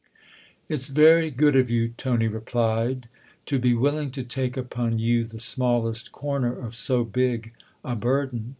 "It's very good of you," Tony replied, "to be willing to take upon you the smallest corner of so big a burden.